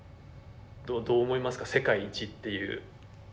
どう思いますか世界一っていう。